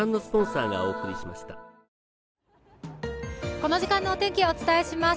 この時間のお天気をお伝えします。